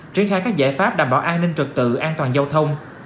triển khai các giải pháp đảm bảo an ninh trực tự an toàn giao thông